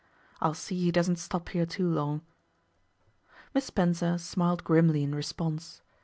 I'll see he doesn't stop here too long.' Miss Spencer smiled grimly in response.